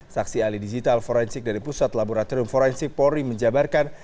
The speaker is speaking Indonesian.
saksi ahli digital forensik dari pusat laboratorium forensik polri menjabarkan